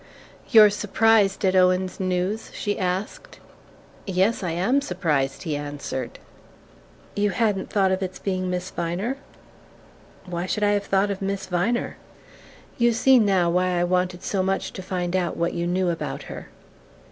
"You're surprised at Owen's news?" she asked. "Yes: I am surprised," he answered. "You hadn't thought of its being Miss Viner?" "Why should I have thought of Miss Viner?" "You see now why I wanted so much to find out what you knew about her."